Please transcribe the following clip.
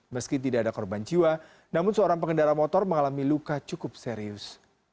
meski tidak ada korban jiwa namun seorang pengendara motor mengalami luka cukup serius